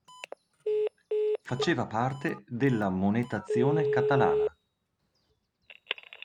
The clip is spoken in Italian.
Faceva parte della monetazione catalana.